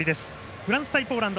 フランス対ポーランド